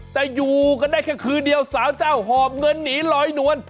แต่อยู่กันได้แค่คืนเดียวสาวเจ้าหอบเงินหนีลอยนวล